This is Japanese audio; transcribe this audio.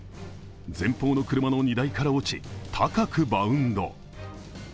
前方の車の荷台から落ち、高くバウンド。